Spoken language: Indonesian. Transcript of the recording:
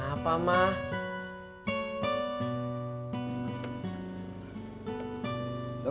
mbak laras tuh udah dewasa